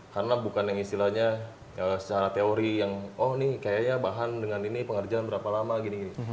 karena bukan yang istilahnya secara teori yang oh ini kayaknya bahan dengan ini pengerjaan berapa lama gini